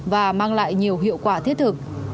và mang lại nhiều hiệu quả thiết thực